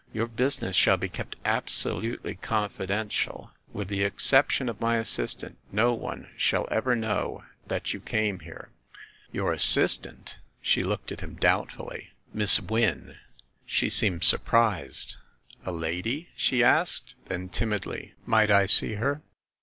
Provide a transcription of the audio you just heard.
Your business shall be kept absolutely confidential. With the exception of my assistant, no one shall ever know that you came here." "Your assistant?" She looked at him doubtfully. "Miss Wynne." She seemed surprised. "A lady?" she asked; then, timidly, "Might I see her?"